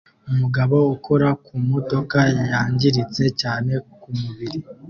Umugabo ukora ku modoka yangiritse cyane ku mubiri